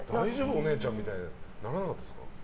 お姉ちゃんみたいにならなかったですか？